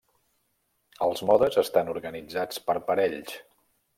Els modes estan organitzats per parells.